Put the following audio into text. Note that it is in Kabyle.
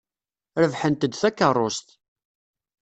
Rebḥent-d takeṛṛust.